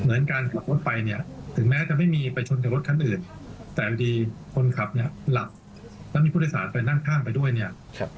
เหมือนการขับรถไปเนี่ยถึงแม้จะไม่มีไปชนกับรถคันอื่นแต่ดีคนขับเนี่ยหลับแล้วมีผู้โดยสารไปนั่งข้ามไปด้วยเนี่ย